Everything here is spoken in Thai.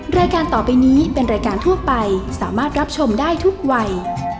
รายการต่อไปนี้เป็นรายการทั่วไปสามารถรับชมได้ทุกวัย